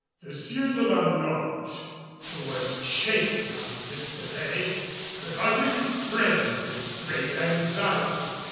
The Sieur de la Notte, who was chafing under this delay, could hardly restrain his great anxiety.